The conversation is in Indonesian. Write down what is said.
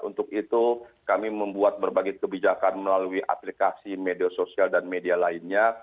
untuk itu kami membuat berbagai kebijakan melalui aplikasi media sosial dan media lainnya